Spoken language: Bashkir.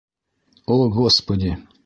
О Господи!